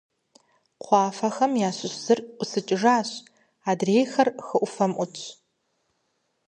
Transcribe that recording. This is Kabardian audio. Кхъуафэхэм ящыщ зыр ӀусыкӀыжащ, адрейхэр хы Ӏуфэм Ӏутщ.